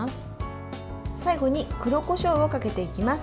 最後に黒こしょうをかけていきます。